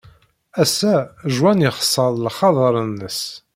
Ass-a, Juan yexṣer lxaḍer-nnes.